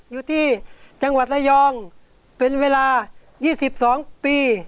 อยู่ที่จังหวัดระยองเป็นเวลา๒๒ปี